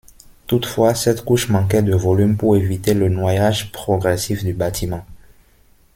Toutefois cette couche manquait de volume pour éviter le noyage progressif du bâtiment.